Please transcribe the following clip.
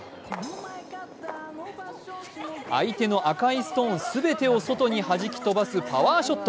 相手の赤いストーン全てを外にはじき飛ばすパワーショット。